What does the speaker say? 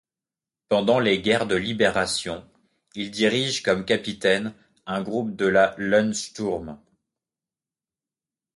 Pendant les guerres de libération, il dirige comme capitaine un groupe de la Landsturm.